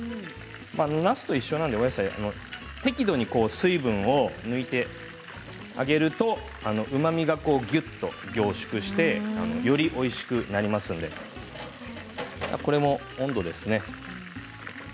なすと一緒なので適度に水分を抜いてあげるとうまみがぎゅっと凝縮してよりおいしくなりますので１８０度で。